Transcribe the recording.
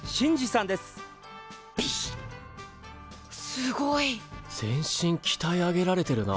すごい！全身きたえ上げられてるな。